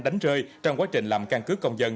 đánh rơi trong quá trình làm căn cứ công dân